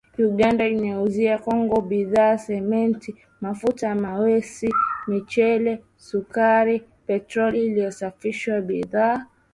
Uganda inaiuzia Kongo bidhaa za Simenti, mafuta ya mawese, mchele, sukari, petroli iliyosafishwa, bidhaa zilizopikwa, vipodozi na vifaa vya chuma